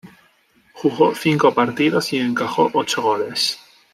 Jugó cinco partidos y encajó ocho goles.